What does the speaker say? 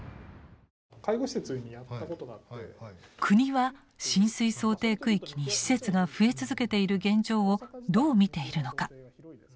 国は浸水想定区域に施設が増え続けている現状をどう見ているのか。